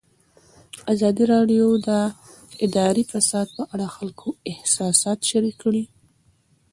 ازادي راډیو د اداري فساد په اړه د خلکو احساسات شریک کړي.